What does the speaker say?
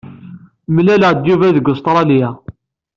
Mlelaeɣ-d Yuba deg Ustṛalya.